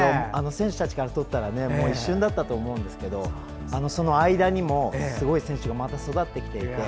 選手たちにとっては一瞬だったと思うんですけどその間にもすごい選手がまた育ってきていて。